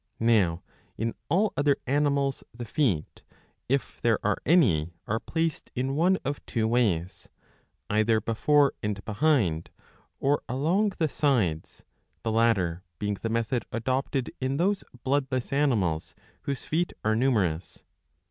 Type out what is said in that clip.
Now in all other animals the feet, if there are any, are placed in one of two ways ; either before and behind, or along the sides, the latter being the method adopted in those bloodless animals whose feet are numerous.